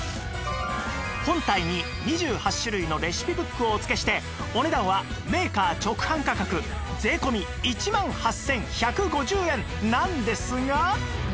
本体に２８種類のレシピブックをお付けしてお値段はメーカー直販価格税込１万８１５０円なんですが